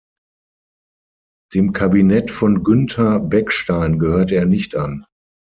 Dem Kabinett von Günther Beckstein gehörte er nicht an.